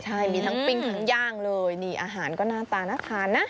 ใช่มีทั้งปิ้งทั้งย่างเลยนี่อาหารก็หน้าตาน่าทานนะ